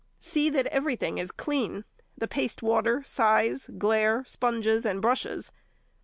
See that everything is clean—paste water, size, glaire, sponges, and brushes.